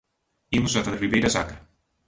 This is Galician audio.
Imos ata a Ribeira sacra.